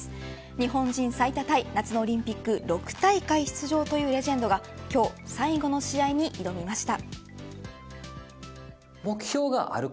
日本人最多タイ夏のオリンピック６大会出場というレジェンドが今日、最後の試合に挑みました。